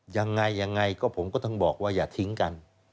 ยังไงยังไงก็ผมก็ต้องบอกว่าอย่าทิ้งกัน